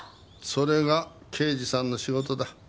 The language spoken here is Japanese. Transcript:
それが刑事さんの仕事だ。